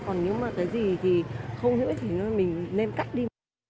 còn những cái gì không hữu ích thì mình nên cắt đi